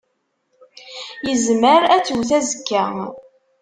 Yezmer ad twet azekka.